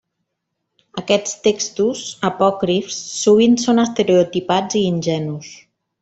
Aquests textos apòcrifs sovint són estereotipats i ingenus.